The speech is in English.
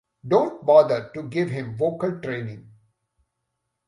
Don't bother to give him vocal training.